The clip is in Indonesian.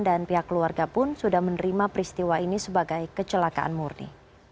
dan pihak keluarga pun sudah menerima peristiwa ini sebagai kecelakaan murni